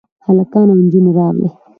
هلکان او نجونې راغلې.